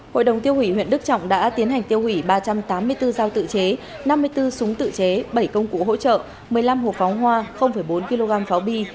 hội đồng tiêu hủy huyện đức trọng đã tiến hành tiêu hủy ba trăm tám mươi bốn dao tự chế năm mươi bốn súng tự chế bảy công cụ hỗ trợ một mươi năm hộp pháo hoa bốn kg pháo bi